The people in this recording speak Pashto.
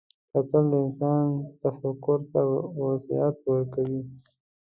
کتل د انسان تفکر ته وسعت ورکوي